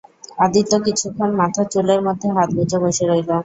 আদিত্য কিছুক্ষণ মাথার চুলের মধ্যে হাত গুঁজে বসে রইল।